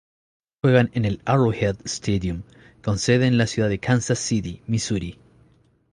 Juegan en el Arrowhead Stadium con sede en la ciudad de Kansas City, Misuri.